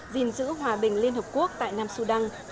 gìn giữ hòa bình liên hợp quốc tại nam sudan